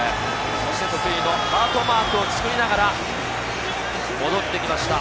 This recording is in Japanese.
そして得意のハートマークを作りながら戻ってきました。